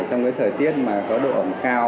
trong thời tiết có độ ẩm cao